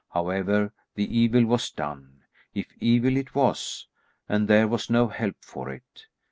However, the evil was done, if evil it was, and there was no help for it.